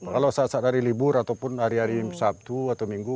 kalau saat saat hari libur ataupun hari hari sabtu atau minggu